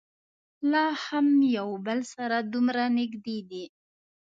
لا هم یو بل سره دومره نږدې دي.